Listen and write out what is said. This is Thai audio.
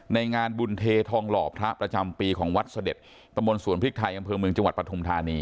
ในงานบุญเททองหล่อพระประจำปีของวัดเสด็จตำบลสวนพริกไทยอำเภอเมืองจังหวัดปฐุมธานี